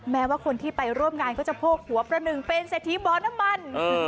แม้ว่าคนที่ไปร่วมงานก็จะโพกหัวประหนึ่งเป็นเศรษฐีบ่อน้ำมัน